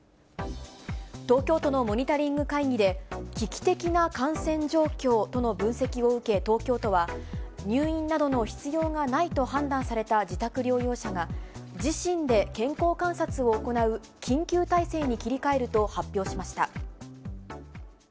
東京都のモニタリング会議で、危機的な感染状況との分析を受け、東京都は、入院などの必要がないと判断された自宅療養者が、自身で健康観察を行う、緊急体制に切り替えると発表しました。